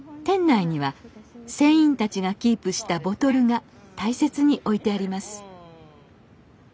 店内には船員たちがキープしたボトルが大切に置いてあります